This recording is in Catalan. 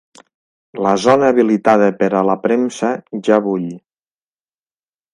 La zona habilitada per a la premsa ja bull.